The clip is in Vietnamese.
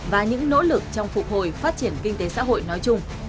và những nỗ lực trong phục hồi phát triển kinh tế xã hội nói chung